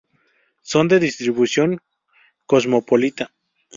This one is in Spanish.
Son de distribución cosmopolita.